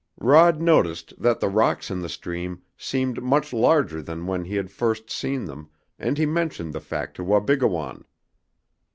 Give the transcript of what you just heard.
Rod noticed that the rocks in the stream seemed much larger than when he had first seen them, and he mentioned the fact to Wabigoon.